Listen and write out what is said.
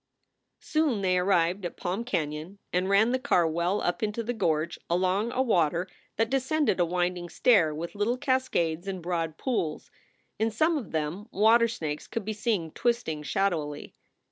Soon they arrived at Palm Canon and ran the car well up into the gorge, along a water that descended a winding stair with little cascades and broad pools. In some of them water snakes could be seen twisting shadowily.